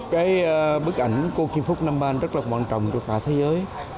cái bức ảnh cô kim phúc nam ban rất là quan trọng của cả thế giới